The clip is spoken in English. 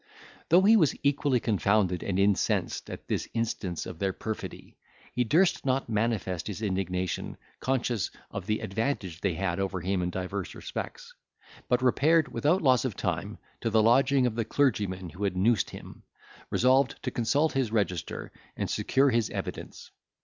Though he was equally confounded and incensed at this instance of their perfidy, he durst not manifest his indignation, conscious of the advantage they had over him in divers respects; but repaired, without loss of time, to the lodging of the clergyman who had noosed him, resolved to consult his register, and secure his evidence.